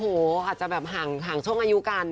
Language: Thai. อาจจะห่างช่องอายุกัน